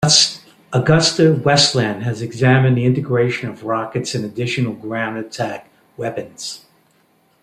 AgustaWestland has examined the integration of rockets and additional ground-attack weapons.